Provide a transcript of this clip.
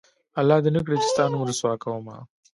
الله دې نه کړي چې ستا نوم رسوا کومه